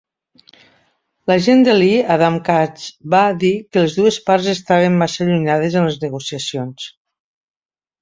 L'agent de Lee, Adam Katz, va dir que les dues parts estaven massa allunyades en les negociacions.